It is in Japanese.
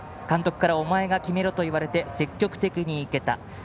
監督からお前が決めろと言われて積極的にいけた。